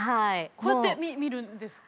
こうやって見るんですか？